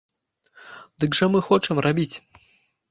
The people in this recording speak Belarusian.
Дык жа мы хочам рабіць!